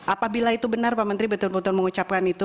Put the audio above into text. apabila itu benar pak menteri betul betul mengucapkan itu